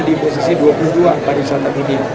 di posisi dua puluh dua pada usaha terhubung